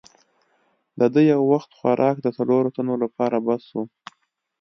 د ده یو وخت خوراک د څلورو تنو لپاره بس وو.